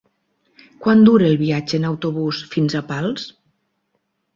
Quant dura el viatge en autobús fins a Pals?